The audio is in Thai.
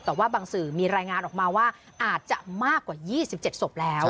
แต่ว่าบางสื่อมีรายงานออกมาว่าอาจจะมากกว่า๒๗ศพแล้ว